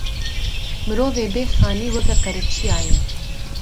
Mirovê bê xanî weka qereçiya ye